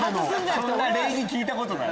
そんな礼儀聞いたことない。